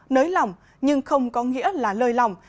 nới lòng nhưng không có nghĩa là lời lòng